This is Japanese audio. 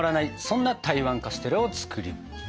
そんな台湾カステラを作ります。